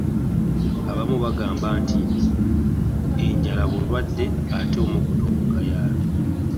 Abamu bangamba enjala bulwaddde ate omukutto mugayaalo .